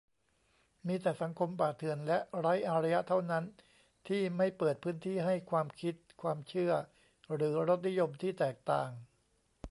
มีแต่สังคมป่าเถื่อนและไร้อารยะเท่านั้น ที่ไม่เปิดพื้นที่ให้ความคิด ความเชื่อ หรือรสนิยมที่แตกต่าง